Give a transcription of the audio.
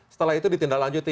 setelah itu ditindak lanjut